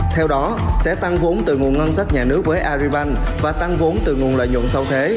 theo đó sẽ tăng vốn từ nguồn ngân sách nhà nước với aribank và tăng vốn từ nguồn lợi nhuận sau thế